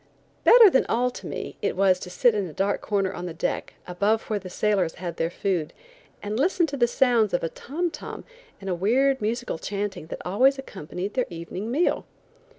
Better than all to me, it was to sit in a dark corner on deck, above where the sailors had their food, and listen to the sounds of a tom tom and a weird musical chanting that always accompanied their evening meal.